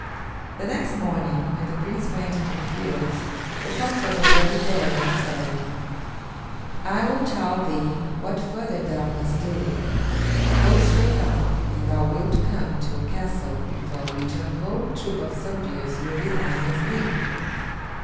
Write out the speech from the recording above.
The next morning, when the Prince went into the fields, the fox was already there, and said: "I will tell thee what further thou must do. Go straight on, and thou wilt come to a castle before which a whole troop of soldiers will be lying asleep.